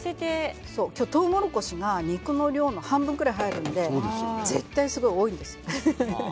今日はとうもろこしが肉の量の半分ぐらい入るので絶対、多いんです。